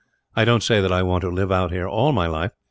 I don't say that I want to live out here all my life.